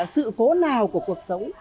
sự cố nào của cuộc sống